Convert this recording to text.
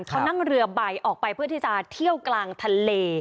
เขานั่งเรือใบออกไปเพื่อที่จะเที่ยวกลางทะเล